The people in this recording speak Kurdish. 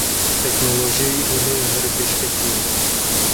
Teknolojiya îro ne ya herî pêşketî ye.